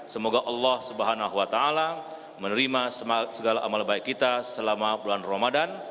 semoga allah swt menerima segala amal baik kita selama bulan ramadan